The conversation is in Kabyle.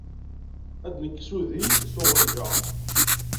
Ad d-nekkes udi s uɣenǧa.